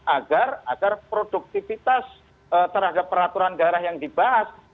agar produktivitas terhadap peraturan daerah yang diperlukan